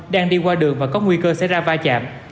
đang đi qua đường và có nguy cơ xảy ra va chạm